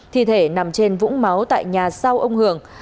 thi thể nằm trên vũng máu tại nhà sau ông hường